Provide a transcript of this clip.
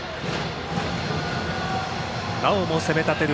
なおも攻め立てる